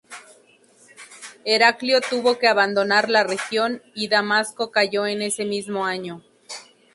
Heraclio tuvo que abandonar la región, y Damasco cayó ese mismo año.